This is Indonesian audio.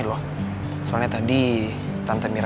kenapa bukan diendalikan ya kita